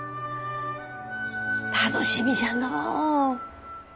楽しみじゃのう。